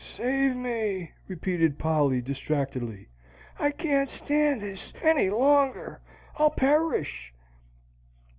"Save me!" repeated Polly, distractedly. "I can't stand this any longer! I'll perish!"